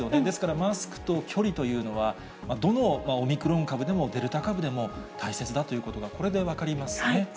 ですからマスクと距離というのは、どのオミクロン株でも、デルタ株でも大切だということが、これで分かりますね。